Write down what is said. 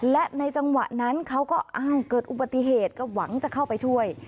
และในจังหวะนั้นเขาก็อ้าวเกิดอุบัติเหตุก็หวังจะเข้าไปช่วย